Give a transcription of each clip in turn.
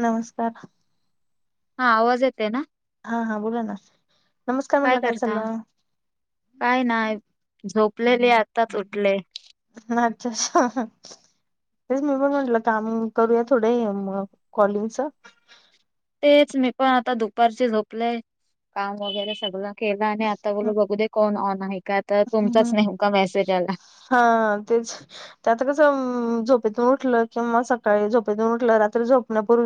नमस्कार. हा आवाजेत ना. हा हा बोला ना नमस्कार म्हंटलं काय चाललं. काय नाही झोपलेले आताच उठले. अच्छच तेच मी पण म्हटलं काम करूया थोडं कॉलिंगच. तेच मी पण आता दुपारची झोपलंय काम वगैरे सगळ. केला आणि आता बोल बघू दे कोण ऑन आहे का आता तुमचाच नेमका मेसेज आला हा तेच त्या आता कसं झोपेतठ. कंवा सका झ र झोण्यापूर्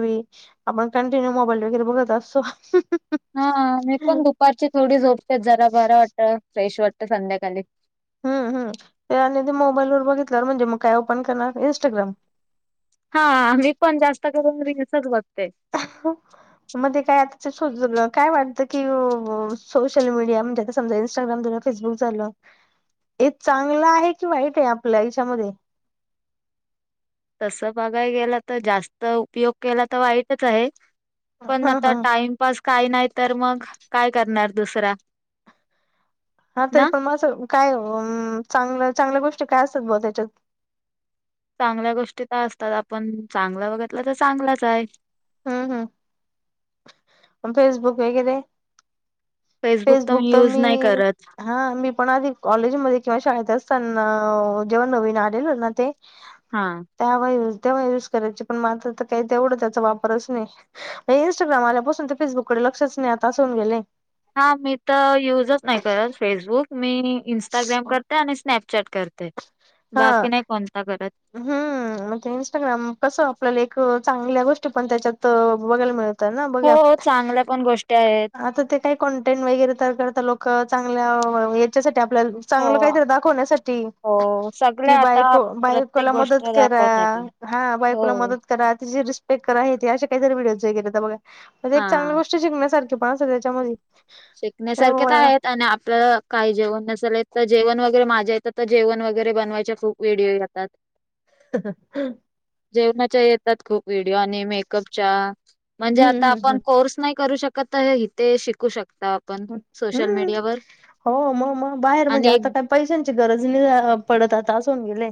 आपण कंटिन्यूबाईल वरे बत असत. [inaudible] हा मी पण दुपारची थोडी झोपते जरा बर वाटत फ्रेश वाटत संध्याकाळी हम् हम् त्या ते मोबाईल वर बघितलं म्हणजे मग काय ओपन करणार इं्स्टाग्राम हाम म्ही पण जास्त करून रि सगवत मध्ये काय आता. काय वाटतं की सोशल मीडिया म्हणजे आता समजा इंस्टाग्राम झालं फेसबुक झालं. हे चांगलं आहे कि वाईट आहे आपल्या आयच्यामध्ये तस बघाय गेला तर जास्त उपयोग केला तर वाईटच आहे. पण ह आता ह टाइमपास काही नाही तर मग काय करणार दुसरा हा तरी ना पण म असं काय चांगलं चांगल्या गोष्टी च कायस बोलतच्या चांगल्या गोष्टी तर असतात आपण चांगलं बघितलं तर चांगलाच आहे. हम्म हम् फेसबुक वगैरे फेसबुक तर मी हा मी पण आधी कॉलेजमध्येध्ये किंवा शाळेतच. जेव्हा नवीन आलेल हो ना ते हा त्या व तेव्हा यूज करायची पण मात्र तर काही तेवढं त्याचा वापरच नाही इंस्टाग्राम आल्यापासून ते फेसबुकडे लक्षच नाही आता असून गेले. हा मी तर युजच नाही करत फेसबुक मी इंस्टाग्राम करते आणि ट करते हा बाकी नाही कोणता करत. हम्म इन्स्टाग्रामवर कसं आपल्याला एक चांगल्या गोष्टी पण त्याच्यात बघायला मिळतं. त्याना हो बघात. चांगल्या पण गोष्टी आहेत आता ते काय कॉनटेंट वगैरे तर करता लोक चांगल्या येच्या साठी आपल्या हो चांगलं कांहीतरी दाखविण्यासाठी हो कि सगळ्या आता बायको प्रत्येक बायकोला गोष्ट मदत करा. दाखवत आहेत हा बायको ला हो मत करा तीची रिस्पेक्ट करा. करा ते असे कांहीतरी व्हिडिओ वगैरे बघा हा एक चांगल्या गोष्ट शिकण्यासारखं पण असता त्याच्यामध्ये शिकण्यासारखे हम्म तर आहेत आणि आपल्याला काही जेवण नसेल येत. तर जेवण वगैरे माझ्या येच्या तर जेवण वगैरे बनवायचे खूप व्हिडिओ येतात. जेवणाच्या येतात खूप व्हिडिओ आणि मेकअपच्या म्हणजे आता हम्म आपण हम्म कोर्स नाही करू शकत तरी तेे शिकू शकतात. हम्म हो मग मग बाहेर म्हणजे आणि एक आता काय पैसयंची पैसे यांची गरज पडत नाही आता असहूणगेलआहे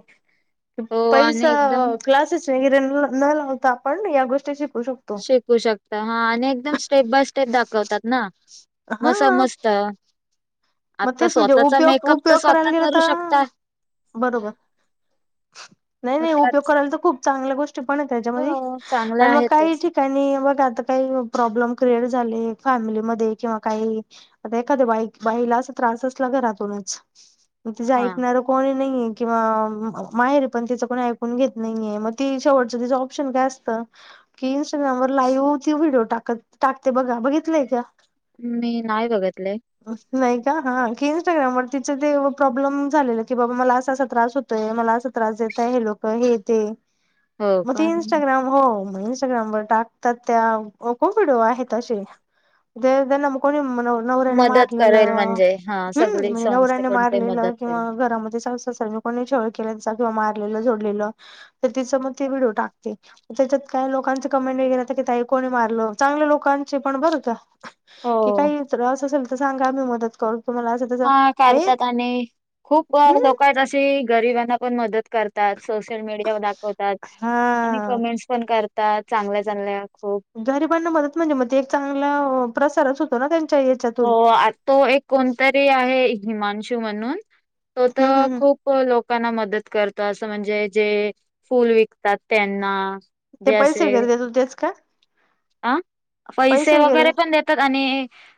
हो पैसा आणि एकदम क्लासेस. विगीरण न लावता आपण या गोष्टींची शिकू शकता हा आणि एकदम स्टेप बॉर्य स्टेप दाखवतात ना. मसा हा मस्त. मग तेचं म्हणजे उपयोग तर उपयोग करायला स्वतः गेले करू तर शकता बरोबर. नाही मग नाही उपयोग त्याच करायला तर खूप चांगल्या गोष्टी पण आहे त्याच्यामध्ये हो चांगले आणि मग काही आहेतच ठिक. त्याणी आता बघा काही प्रॉब्लेम क्रिएट झाले फॅमिलीमध्ये किंवाकाही एखाद्या एका बाईला त्रास असला घरातूनच तीच हा अयकणारा कोणीनाहीआहे. किंवा माहरी पण तिच कोणी ऐकून घेत नाहीआहे मग तीच शेवटच ऑप्शन काय असत. कि इन्स्टाग्रामवर लाईवचे व्हिडिओ टाकते टाकते बघा बघितलंय आहे का? मी नाही बघितलय. नाही का हा. की इन्स्टाग्रामवर तिचं ते प्रॉब्लेम झालेलं, की बाबा मला असा असा त्रास होतोय. मला अस त्रास दे त आहे ते लोकं हे ते. हो मग ते पण इंस्टाग्राम हो मग इंस्टाग्राम व टाकतात त्या, खूप व्हिडिओ आहेत असे. ते त्यांना कोणी मग नव नवऱ्याने मदत करेल मारलेलं म्हणजे हा हं, सगळी म्हणजे संस्थे नवऱ्याने कोणते मारलेलं मदत किंवा करेल घरामध्ये सासू सासऱ्यांनी कोणी छळ केल्याचा किंवा मारलेलं झोडलेलं तर ती समोर ती व्हिडिओ टाकते. त्याच्यात काय लोकांचं कमेंट वेगळं राहतंय, तर काय ताई कोणी मारलं? चांगल्या लोकांचेपण बरं का. की हो काही त्रास असेल तर सांगा, आम्ही मदत करू. तुम्हाला असं तसं हा म्हणजे कारत्यात आणि खूप हम्म लोक आहेत अशी गरीबांना पण मदत करतात. सोशल मीडियावर दाखवतात. आणि हा कमेन्ट्सपण करतात चांगल्या चांगल्या. खूप गरिबांना मदत म्हणजे मग ते एक चांगला प्रसारच होतो ना त्यां हो आ तो एक कोणतरी आहे हिमांशू म्हणून तो हम्म तर हम्म हम्म खूप लोकांना मदत कर तो, असं म्हणजे जे फुलं विकतात त्यांना. ते पैसे वगैरे देतात तेच काय? आ पैसे वगैरे पण देतात आणि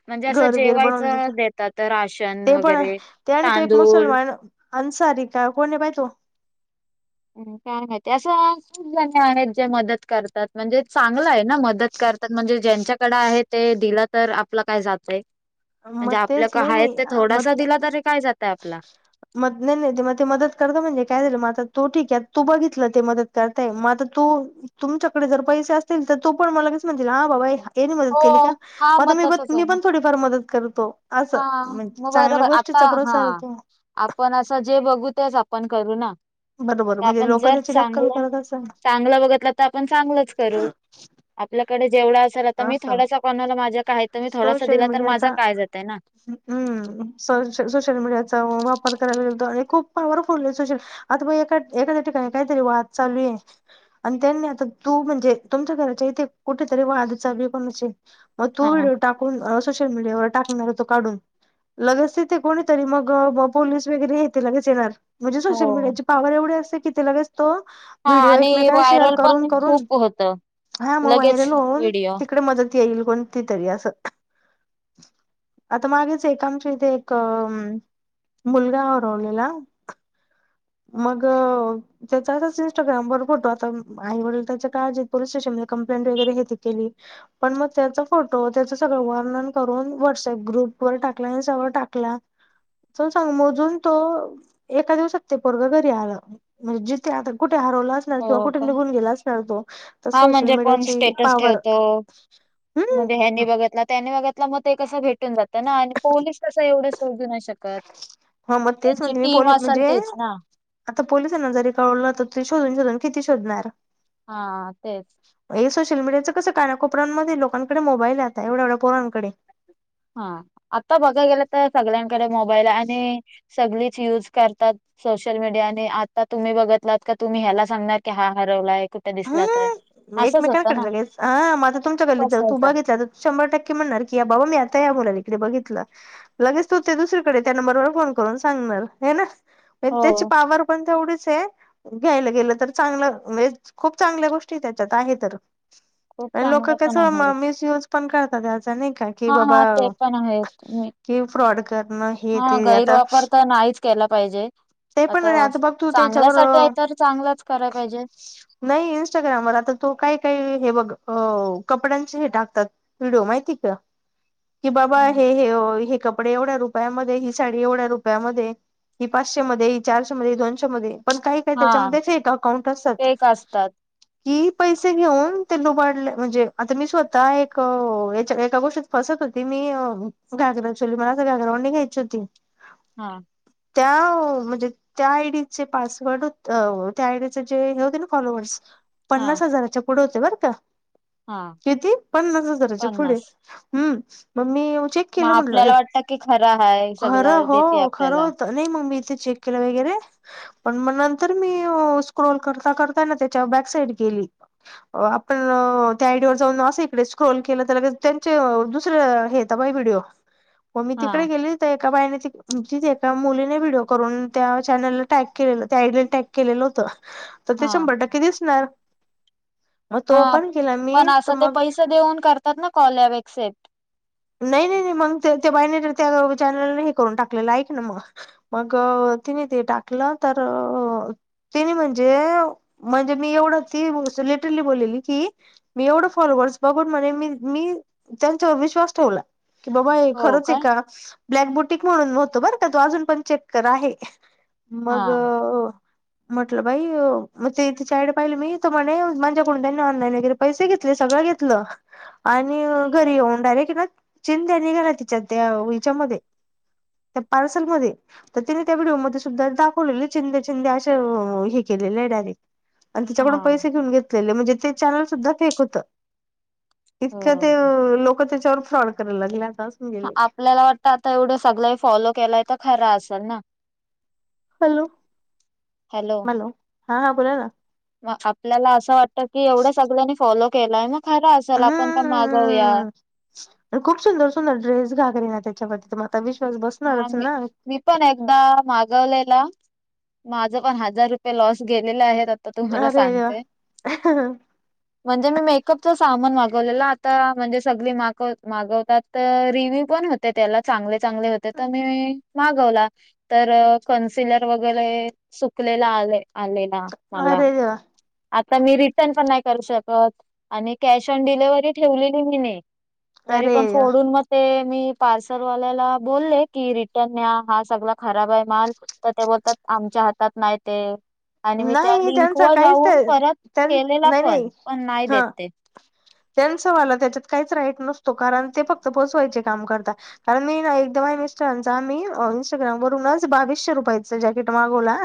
म्हणजे असं घर बीर बनवून जेवायचं देत देतात, राशन ते वगैरे, तांदूळ अंसारिका कोण हाय बाय तो. काय माहित अशा आहेत जे मदत करतात, म्हणजे चांगलं आहे ना, मदत कर करतात म्हणजे ज्यांच्याकडे आहे ते दिलं, तर आपलं काय जातंय. म्हणजे मग तेच नाही आपल्याकडे आहे, नाही ते थोडासा दिला तरी काय जातंय आपला. माधनं नाही मग ते मदत करता म्हणजे काय झालं मग आता तो ठीक आहे. तू बघितलं ते मदत करताय. म आता तू तुमच्याकडे जर पैसे असतील, तर तूपण मग लगेच म्हणशील, हा बाबा हे ने मदत हो केली का. हा म आता मग मीपण तसच आहे ना मीपण थोडीफार मदत करतो. असं म चांगल्या गोष्टी आहा आपणं असं जे बघू, तेच आपणं करू ना. बरोबर आता म्हणजे आपणं लोक जर त्याची नक्कल चांगलं करत असेल चांगलं बघितलं, तर आपण चांगलंच करू. आपल्या कडे जेवढं असेल, आता मी असं थोडासा कोणाला माझ्या काय तर मी थोडासा सोशल दिला तर माझा मीडियाच्या काय जातय ना अं सोश सोशल मीडिया चा वापर कराय लागलो, तर हे खूप पवरफुल आहे सोशल आता एखा्या ठिकाणी काहीतरी वाद चालू आहेः हं. आणि त्यांनी आता तू म्हणजे तुमच्या घराच्या इथे कुठेतरी वाद चालू आहे कोणाशी तो हा व्हिडिओ टाकून अ सोशल मीडियावर टाकणार तो काढून लगेच तेथे कोणीतरी, मग पोलीस वगैरे येथे लगेच येणार. म्हणजे सोशल हो मीडियाची पावर एवढी असते की, ते लगेच तो हा व्हिडिओ आणि एकमेकांना शेअर व्हायरल करून पण करून खूप होत हा मग लगेच व्हायरल होऊन व्हिडिओ. तिकडे मदत येईल कोणती तरी असं. आता मागेच एक आमच्या इथे एक मुलगा हरवलेला. मग त्याचा असच इंस्टाग्रामवरर फोटो आता आई वडील त्याच्या काळजीत पोलीस स्टेशन ला कंप्लेंट वगैरे इथं केली, पण मग त्यांचं फोटो त्याच सगळं वर्णन करून व्हॉट्सअप ग्रुपवर टाकला, इन्स्टा वर टाकला. च सांग, मोजून तो एका दिवसात ते पोरगं घरी आलं. म्हणजे जिथे आता कुठे हरवला असणार किंवा हो कुठे का? निघून गेला असणार तो, तर हा सोशल म्हणजे कोण मीडियाची स्टेटस पावर ठेवतो. मग ते ह्याने हम्म बघतला त्याने बघतला मग ते कसं भेटून जातं ना आणि पोलीस कसं एवढं शोधू नाही श कत. हा मग तेच त्यांची म्हणते मी टीम पोली असंल म्हणजे तीच ना. आता पोलिसांना जरी कळवलं, तर ते शोधून शोधून किती शोधणार? हा तेच. हे सोशल मीडियाचं कस कारण कोपऱ्यांमध्ये लोकांकडे मोबाईल यता एवढ्या एवढ्या पोरांकडे हा आता बघा गेलं तर सगळ्यांकडे मोबाईल आणि सगळीच यूज करतात. सोशल मीडिया आणि आता तुम्ही बघितलात का तुम्ही ह्याला सांगणार की हा हरवलाय कुठे दिसला तर हम्म असंच होतं एकमेकांकडे ना लगेच हा माझा तुमच्या गल्लीत जा तू पसरत बघितला तर शंभर टक्के म्हणणार की बाबा मी मुला इकडे बघितलं लगेच तो ते दुसरीकडे त्या नंबरवर फोन करून सांगणार हे ना. म्हण हो त्याची पावर पण तेवढच आहे घ्यायला गेलं तर चांगलं म्हणजे खूप चांगल्या गोष्टी त्याच्यात आहे तर खूप आणि लोक चांगलं कस पण आहे. मिसयूज पण करतात. त्याचा नाही का कि हा बाबा हा ते पण आहेत च कि फ्रॉड करणं हे हा ते आता गैरवापर तर नाहीच. केला पाहिजे. ते पण नाही आता बघतो त्याच्यावर चांगल्यासाठी आहे तर चांगलाच कराय पाहिजे. नाही इनस्टाग्रामवरर आता तू काय काय हे बघ. हो कपड्यांचे हे टाकतात व्हिडिओ माहिती का की बाबा हम्म. हे हे. कपडे एवढ्या रुपयामध्ये ही साडी एवढ्या रुपया मध्ये पा पाचशे मध्ये चारशे मध्ये दोनशे मध्ये पण काही काही हा त्याच्यामध्येच फेक अकाउंट असतात. फेक असतात कि पैसे घेऊन ते लुबाडले म्हणजे आता मी स्वतः एक एका गोष्टीत फस होती मी घागरा चोली मला घागरा ओढणी घ्यायची होती. हा. त्या हो म्हणजे त्या आयडीचे पासवर्ड त्या आयडीचे जे हे होते ना फॉलोवर्स हा पन्नास हजाराच्या पुढे होते बरं का? हा किती पन्नास हजाराच्या पुढे पन्नास हम्म. म मी चेक केलं मग म्हटल आपल्याला वाटत की खरा हाय सगला खरं हो देते खरं आपल्याला होत नाही मम्मी क वरे पण म नंतर मी स्क्रोल करता करता त्या बॅक साईड गेली. आपण त्या आयडीवर जाऊन अस इकडे स्क्रोल केल तर त्यां दुसर्या हे तर बाई व्हडिओ व मी हा तिकडे गेली तर एका बाईने एका मुलीने व्हडिओ करून त्या चॅनल टॅग केलेलं त्या आइडीला टेग केलेलं होत तर ते हा शंभर टक्के दिसणार. मग तो हा ओपन केला मी पण तर असं ते मग पैसे देऊन करतात ना कॉल एक्सेप्ट नाही नाही नाही मग ते बहिणी त्या चॅनलने हे करून टाकलेलं आहेक ना मग मग. तिने ते टाकलं, तर तिने म्हणजे म्हणजे मी एवढ ती क मी फॉो [unintelligible] ठोला की बाबा हो खरंच आहे काय का. ब्लॅक बोटक म्हणून होतो, बरं का तो अजून पण चेक्कर आहे हा मग. म्हटलं बाई मग ते इथे चाईडे पाहिले, मी त म्हणे माझ्याकडून त्यांनी ऑनलाईन वगैरे पैसे घेतले सगळे. घरी [unintelligible] चिंद्या निघाला तिच्या ते हच्यामध्येध्ये. त्या पार्सलमध्येध्ये तर त्याने त्या व्हिडिओमध्ये सुद्धा दाखवलेले चिंदे चिंदे अे हे के. डरे त्याच्याकडून हा पै घेन घेत म्हणजे ते चॅल सुधा फेक होत. इतकं ते हो लोक त्याच्यावर फ्रॉड करायला लागल्यात. आपल्याला वाटतं आता एवढं सगळ फॉलो केलाय तर खरं असेल ना. हॅलो हॅलो मॅलो हा हा बोला ना. मग आपल्याला असं वाटतं की, एवढं सगळ्यांनी फॉलो केलंय म. हम्मममम खूप सुंदर सुंदर ड्रेस घागरी ना त्याच्यावर तर मग [unintelligible] हा बसणारच मी ना मी पण एकदा मागवलेला. माझ पण हजार रुपये लॉस गेलेले आहेत. तर तुम्हाला अरे देवा सांगते म्हणजे मी म. पच सामान मागवलेला आता म्हणजे, सगळी मागव मागवतात तर रिव्यू पण होते त्याला. चांगले चांगले. ते तर मी मागवला तर कन्सिलर वगैरे सुकलेला आले. अली ना मला. अरे देवा आता मी रिटर्न पण नाही करू शकत आणि कॅश ऑन डिलिव्हरी ठेवलेली मी नाही. तरी अरे पण देवा फोडून मग ते मी पार्सलवाल्याला. बोलले की रिटर्न न्या हा सगळा खराब आहे माल तर ते बोलतात आमच्या हातात नाही ते. आणि मी त्या नाही लिंक त्यांचा वर काहीच जाऊन परत त्यां केलेला नाही नाही पण पण नाही हा देते. त्यांच वालं त्याच्यात. काही राइट नसतो कारण ते फक्त पोचवायचे काम करत कारण मी एकदा मिस्टर आ. इस्टाग्राम वून बावीसशे रुपयाच जॅकेट मागवला.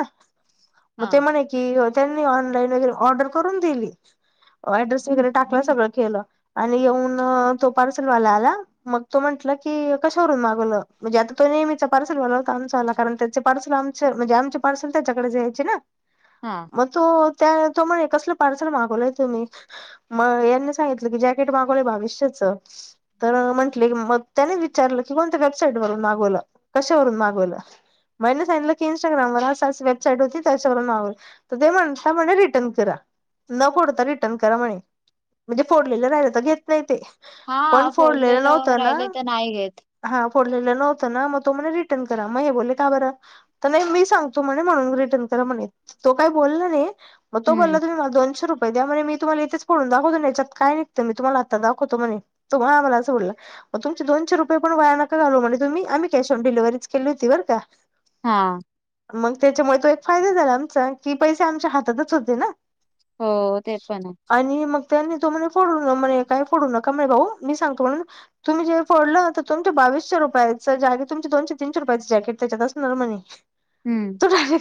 मग हा ते म्हणे क त्यांनी ऑनलाईन वगैरे ऑर्डर करून दिली. वगैरे टाकलं सगळं केलं. आणि येऊन तो पार्सेलवाला आला मग तो म्हंटलं की कशावरून मागवलं म्हणजे आता तो नेहमीचा पार्सल वालाव होता, आमचा आला कारण त्याचे पार्सल आमच म्हणजे, आमचे पार्सल त्याच्याकडे जायचे ना. हा मतु [unintelligible] त्या तो म्हणे कसलं पार्सल मागवलंय तुम्ही मग ह्यांनी सांगितलं की जॅकेट मागवलंय बाविश्येच. तर म्हंटली मग त्याने विचारलं की कोणत्या वेबसाईट वरून मागवल कशावरून मागवल. मिन सांगितलं की इंस्टाग्राम वर असं असं वेबसाईट होती त्याच म्हनावं तर ते म्हणे त्या म्हणे रिटर्न करा न फोडता रिटर्न करा म्हणे. म्हणजे फोडलेलं राहिलं तर घेत नाही ते. पण हा फोडलेलं नव्हत ना, राहिलं तर नाही घेत हा. फोडलेलं न्हवत ना मग तो म्हणे रिटर्न करा मग हे बोलले का बरं तर नाही मी सांगतो म्हणे म्हणून रिटर्न तो काही बोलला नाही, मग तो हम्म बोलला तर मला दोनशे रूप म्हणे मी तुम्हाला इथेच फोडून दाखवतो ना ह्याच्यात काय निघतं मी तुम्हाला आत्ता दाखवतो म्हणे तो मला असं बोलला. तुमचे दोनशे रुपये पण वाया नका घालवू म्हणे तुम्ही आम्ही कॅश ऑन डिलव्हरीचं केली होती बर का. हा. मग त्याच्यामुळे तो एक फायदा झाला आमचा कि पैसे आमच्या हातातच होते ना. हो ते पण हाय. आणि मग त्यांनी तो म्हणे फोडून बघ म्हणे काय फोडू नका मी भाऊ मी सांगतो म्हणून तुम्ही जे फोडलं तर तुमच्या बा बावीसशे रुपयाचं जॅक तुमचं दोनशे तीनशे रुपयांचं जॅकेट त्याच्यात असणार म्हणे. हम्म.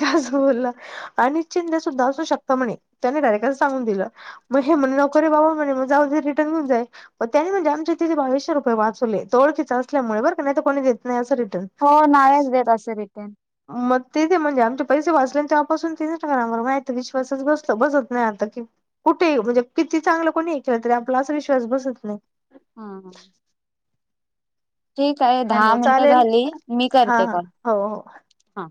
[unintelligible] आणि चिंद्या सुद्धा असू शकत म्हणे त्याने डायरेक्ट असं सांगून दिलं मग हे म्हणल बाबा म्हणे मग जाऊदे रिटर्न घेऊन जाय मग त्याने म्हणलें आमच्या तिथे बावीसशे रुपये वाचवले तो ओळखिचा असल्यामु बरं का नाहीतर कोणी देत नाही असं रिटर्न, हो नाहीच देत असं रिटर्न मग ते ते म्हणजे आमच्या पैसे वाचले तेवपासून इंस्टाग्रामवर विश्वासच बस बसत नाही आता की कुठे म्हणजे चांगलं कोणी केलं तरी आपला विश्वास बसत नाही. हा. ठीक आहे दहा हॅलो मिनटं चालेल झाली मी हा करते हा कॉल. हो हो हा.